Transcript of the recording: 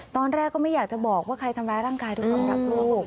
ตอนแรกก็ไม่อยากจะบอกว่าใครทำร้ายร่างกายทุกคนรักลูก